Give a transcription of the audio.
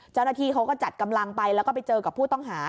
เจ้าหน้าที่เขาก็จัดกำลังไปแล้วก็ไปเจอกับผู้ต้องหา